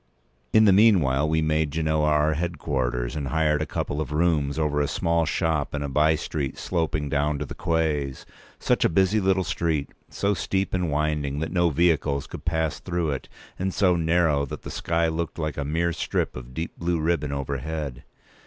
In the meanwhile we made Genoa our headquarters, and hired a couple of rooms over a small shop in a by street sloping down to the quays. Such a busy little street—so steep and winding that no vehicles could pass through it, and so narrow that the sky looked like a mere strip of deep blue ribbon overhead!